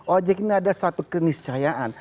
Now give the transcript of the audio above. ojek ini ada satu keniscayaan